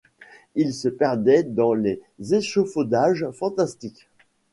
Il se perdait dans des échafaudages fantastiques.